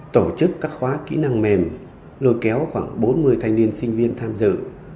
tổ chức các khóa kỹ năng mềm lôi kéo khoảng bốn mươi thanh niên sinh viên tham dự